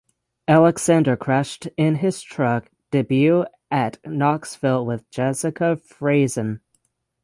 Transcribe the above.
Alexander crashed in his truck debut at Knoxville with Jessica Friesen.